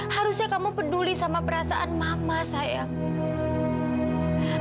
harusnya kamu peduli sama perasaan mama saya